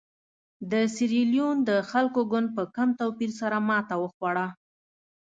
د سیریلیون د خلکو ګوند په کم توپیر سره ماته وخوړه.